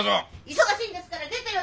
忙しいんですから出てよ